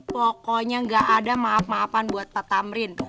pokoknya nggak ada maaf maafan buat pak tamrin